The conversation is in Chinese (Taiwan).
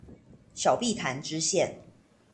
小碧潭支線